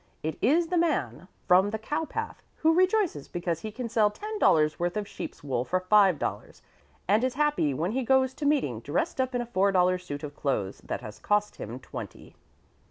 It is the man from the cowpath who rejoices because he can sell ten dollars' worth of sheep's wool for five dollars, and is happy when he goes to meeting dressed up in a four dollar suit of clothes that has cost him twenty."